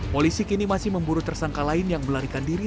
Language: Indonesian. polisi kini masih memburu tersangka lain yang melarikan diri